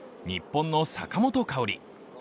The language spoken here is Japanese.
日本の坂本花織。